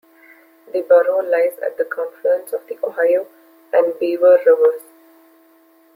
The borough lies at the confluence of the Ohio and Beaver rivers.